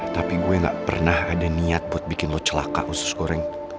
tapi gue gak pernah ada niat buat bikin lo celaka usus goreng